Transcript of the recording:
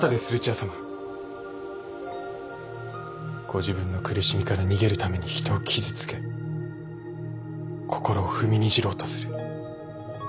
ご自分の苦しみから逃げるために人を傷つけ心を踏みにじろうとする。